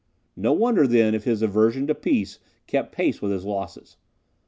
No wonder then if his aversion to peace kept pace with his losses.